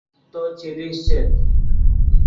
تو چے لیشچیت